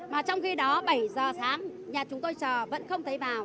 mà trong khi đó bảy giờ sáng nhà chúng tôi chờ vẫn không thấy vào